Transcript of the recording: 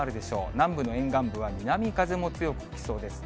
南部の沿岸部は、南風も強く吹きそうです。